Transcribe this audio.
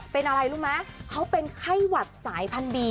เป็นอะไรรู้มั้ยเขาเป็นไข้หวัดสายพันบี